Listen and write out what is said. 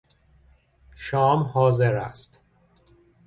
شام حاضر است.